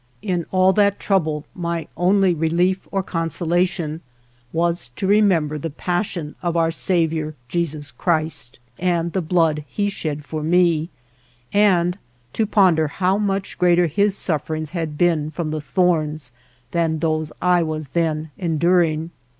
In all that trouble my only relief or consolation was to remember the passion of our Saviour, Jesus Christ, and the blood He shed for me, and to ponder how much greater His sufferings had been from the Ihorns, than those I was then enduring.